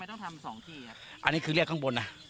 ต้องทำสองที่อันนี้คือเรียกข้างบนนะ